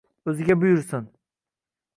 o`ziga buyursin